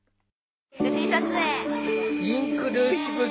写真撮影。